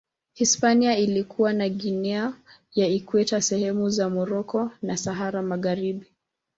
Hispania ilikuwa na Guinea ya Ikweta, sehemu za Moroko na Sahara Magharibi.